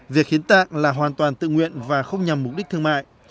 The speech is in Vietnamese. việc hiến tạng là hoàn toàn tự nguyện và không nhằm mục đích thương mại